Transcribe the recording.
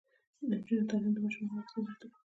د نجونو تعلیم د ماشومانو واکسین مرسته کوي.